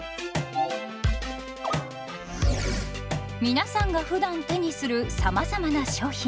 皆さんがふだん手にするさまざまな商品。